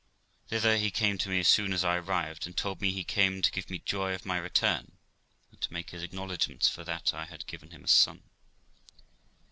Thither he came to me as soon as I arrived, and told me he came to give me joy of my return, and to make his acknow ledgments for that I had given him a son.